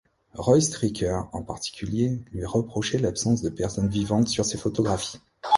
Roy Stryker, en particulier, lui reprochait l'absence de personnes vivantes sur ses photographies.